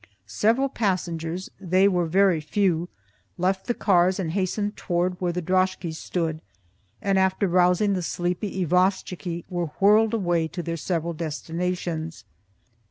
Several passengers (they were very few) left the cars and hastened towards where the droskies stood, and after rousing the sleepy isvostchiky, were whirled away to their several destinations.